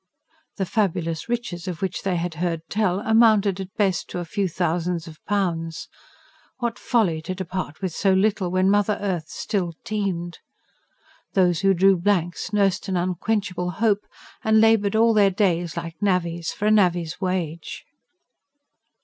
The fabulous riches of which they had heard tell amounted, at best, to a few thousands of pounds: what folly to depart with so little, when mother earth still teemed! Those who drew blanks nursed an unquenchable hope, and laboured all their days like navvies, for a navvy's wage.